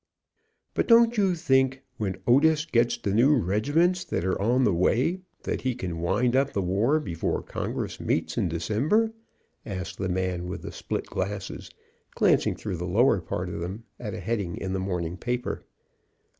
"But don't you think when Otis gets the new regi ments that are on the way, that he can wind up the war before Congress meets in December?" asked the man with the split glasses, glancing through the lower part of them at a heading in the morning paper.